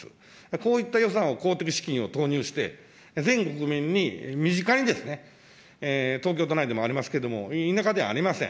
こういった予算を公的資金を投入して、全国民に身近にですね、東京都内でもありますけれども、田舎ではありません。